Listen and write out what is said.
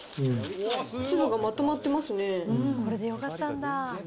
粒がまとまってますね。